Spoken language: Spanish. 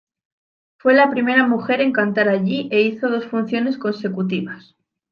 Fue la primera mujer en cantar allí e hizo dos funciones consecutivas.